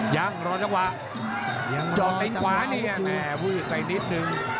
ยังรอจังหวะจอดเน้นขวาเนี่ยแม่วื้อใกล้นิดนึง